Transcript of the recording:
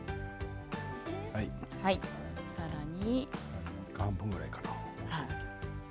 さらに。